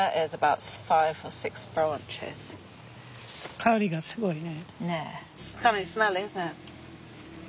香りがすごいね。